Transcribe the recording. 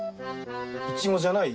イチゴじゃない？